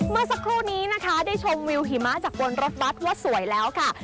เมื่อสักครู่นี้นะคะได้ชมวิวหิมะจากบนรถบัตรว่าสวยแล้วค่ะ